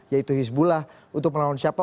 yaitu hizbullah untuk melawan siapa